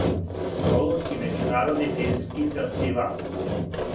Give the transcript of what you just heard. Солунски међународни филмски фестивал.